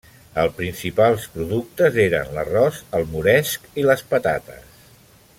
Els principals productes eren l'arròs, el moresc i les patates.